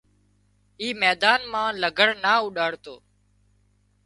اي ميدان مان لگھڙ نا اوڏاڙو